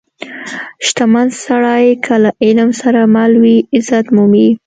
• شتمن سړی که له علم سره مل وي، عزت مومي.